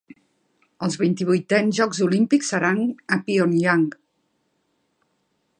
El vint-i-vuitens Jocs Olímpics seran a Pyeongchang.